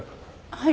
はい。